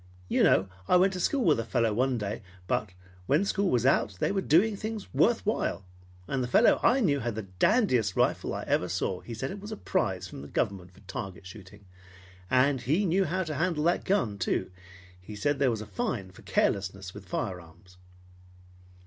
You know I went to school with a fellow one day, but when school was out they were doing things worth while. And the fellow I knew had the dandiest rifle I ever saw. He said it was a prize from the government for target shooting. And he knew how to handle that gun, too. He said there was a fine for carelessness with firearms.